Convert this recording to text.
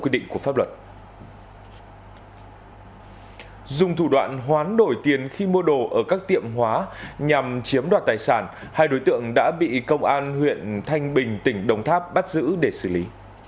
dùng thủ đoạn hoán đổi tiền khi mua đồ ở các tiệm hóa nhằm chiếm đoạt tài sản hai đối tượng đã bị công an huyện thanh bình tỉnh đồng tháp bắt giữ để xử lý